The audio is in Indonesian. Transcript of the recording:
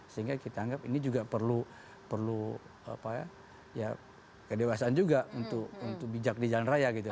sehingga kita anggap ini juga perlu kedewasaan juga untuk bijak di jalan raya gitu